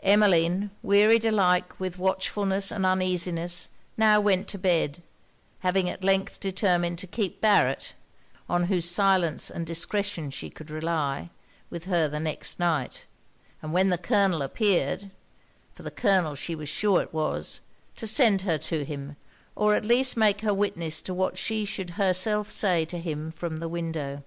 Emmeline, wearied alike with watchfulness and uneasiness, now went to bed; having at length determined to keep Barret (on whose silence and discretion she could rely) with her the next night; and when the Colonel appeared (for the Colonel she was sure it was) to send her to him, or at least make her witness to what she should herself say to him from the window.